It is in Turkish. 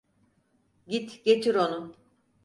Git getir onu.